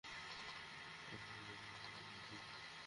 হেই, তুই এখানে থাকতে চাস?